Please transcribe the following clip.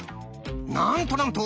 なんとなんと！